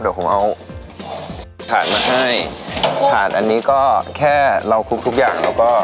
เดี๋ยวผมเอาถาดมาให้ถาดอันนี้ก็แค่เราคลุกทุกอย่างแล้วก็